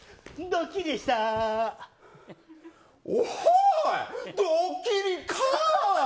ドッキリかい！